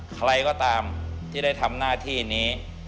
ใครก็ตามที่ได้ทำหน้าที่นี้